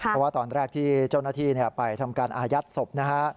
เพราะว่าตอนแรกที่เจ้าหน้าที่ไปทำการอายัดศพนะฮะ